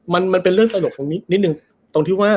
มันมันเป็นเรื่องตลกตรงนี้นิดนึงตรงที่ว่า